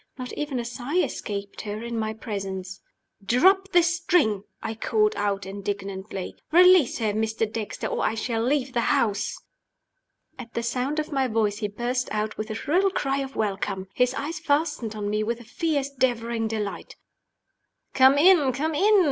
Not even a sigh escaped her in my presence. "Drop the string!" I called out, indignantly "Release her, Mr. Dexter, or I shall leave the house." At the sound of my voice he burst out with a shrill cry of welcome. His eyes fastened on me with a fierce, devouring delight. "Come in! come in!"